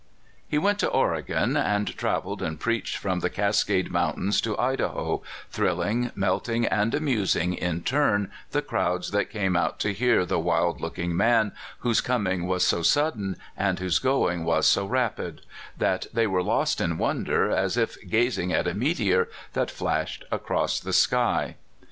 He went to Oregon, and traveled and preached from the Cascade Mountains to Idaho, thrilling, melting, and amusing, in turn, the crowds that came out to hear the wild looking man whose com ing was so sudden, and whose going was so rapid, that they were lost in wonder, as if gazing at a meteor that flashed across the sky.